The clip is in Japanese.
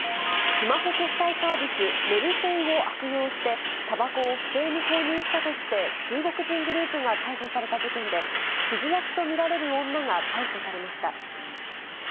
スマホ決済サービス、メルペイを悪用して、たばこを不正に購入したとして、中国人グループが逮捕された事件で、指示役と見られる女が逮捕されました。